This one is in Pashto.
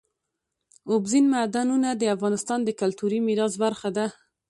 اوبزین معدنونه د افغانستان د کلتوري میراث برخه ده.